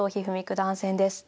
段戦です。